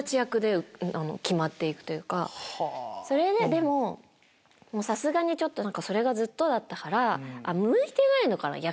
でもさすがにそれがずっとだったから。